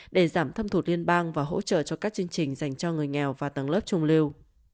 để giảm thâm thủ liên bang và hỗ trợ cho các chương trình dành cho người nghèo và tầng lớp trung lưu